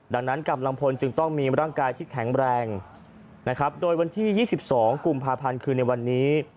ดังนั้นกำลังพลจึงต้องมีร่างกายที่แข็งแรงนะครับโดยวันที่๒๒กุมภาพันธ์คือในวันนี้